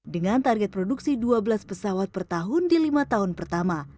dengan target produksi dua belas pesawat per tahun di lima tahun pertama